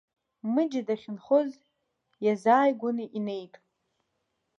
Мыџьа дахьынхоз иазааигәаны инеит.